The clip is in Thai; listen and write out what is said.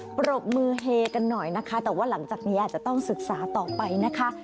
ปรบมือเฮกันหน่อยนะคะแต่ว่าหลังจากนี้อาจจะต้องศึกษาต่อไปนะคะ